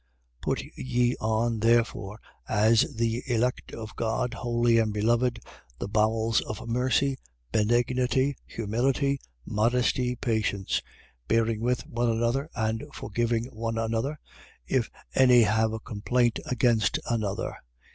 3:12. Put ye on therefore, as the elect of God, holy and beloved, the bowels of mercy, benignity, humility, modesty, patience: 3:13. Bearing with one another and forgiving one another, if any have a complaint against another.